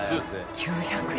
９００円？